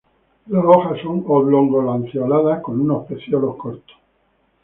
Las hojas son oblongo lanceoladas con unos pecíolos cortos.